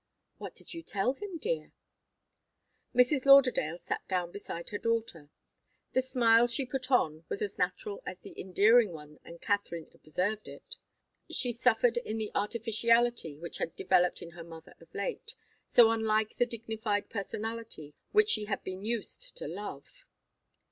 "What did you tell him, dear?" Mrs. Lauderdale sat down beside her daughter. The smile she put on was as unnatural as the endearing tone, and Katharine observed it. She suffered in the artificiality which had developed in her mother of late, so unlike the dignified personality which she had been used to love.